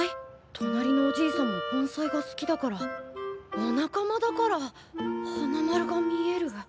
となりのおじいさんも盆栽が好きだからお仲間だから花丸が見える？